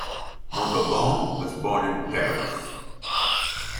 Montauban was born in Paris.